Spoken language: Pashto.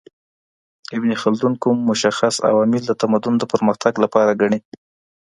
ابن خلدون کوم مشخص عوامل د تمدن د پرمختګ لپاره ګڼي؟